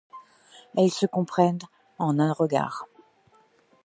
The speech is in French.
Elles se comprennent en un regard.